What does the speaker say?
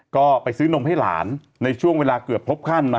ก็ไปซื้อนมให้หลานในช่วงเวลาเกือบพบขั้น